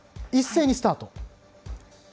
一斉にスタート。